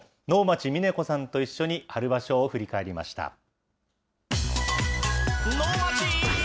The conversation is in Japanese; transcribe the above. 能町みね子さんと一緒に、春場所を振り返りました。